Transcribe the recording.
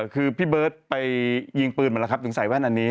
คือพี่เบิร์ตไปยิงปืนมาแล้วครับถึงใส่แว่นอันนี้